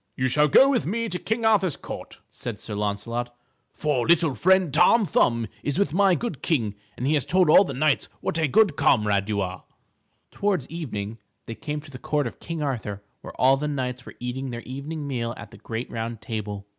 "You shall go with me to King Arthur's Court," said Sir Launcelot, "for little friend Tom Thumb is with my good king and he has told all the knights what a good comrade you are." Towards evening, they came to the Court of King Arthur where all the knights were eating their evening meal at the great round table.